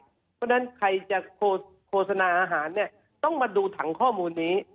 เพราะฉะนั้นใครจะโฆษณาอาหารเนี่ยต้องมาดูถังข้อมูลนี้